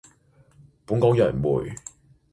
本港楊梅